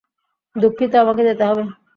দুঃখিত, আমাকে যেতে হবে।